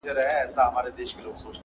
د طبیب عقل کوټه سو مسیحا څخه لار ورکه،